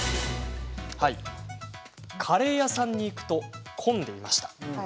カレー屋さんに行くと混んでいました。